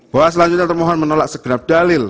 bahwa selanjutnya termohon menolak segera dalil